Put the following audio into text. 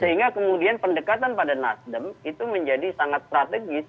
sehingga kemudian pendekatan pada nasdem itu menjadi sangat strategis